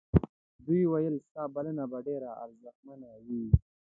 دوی وویل ستا بلنه به ډېره اغېزمنه وي.